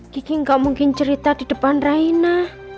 kiki nggak mungkin cerita di depan reina